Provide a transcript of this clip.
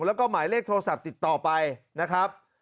แล้วก็หมายเลขโทรศัพท์ติดต่อไปนะครับ